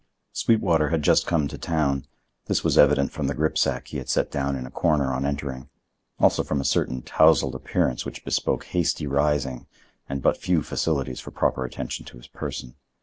Sweetwater had just come to town,—this was evident from the gripsack he had set down in a corner on entering, also from a certain tousled appearance which bespoke hasty rising and but few facilities for proper attention to his person.